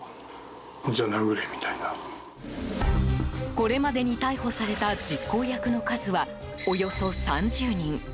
これまでに逮捕された実行役の数は、およそ３０人。